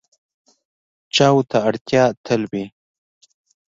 چای ته اړتیا تل وي.